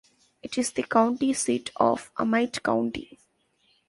It is the county seat of Amite County.